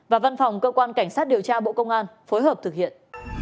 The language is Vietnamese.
và văn phòng cơ quan cảnh sát điều tra bộ công an phối hợp thực hiện